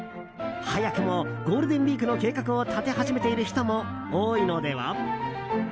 早くもゴールデンウィークの計画を立て始めている人も多いのでは？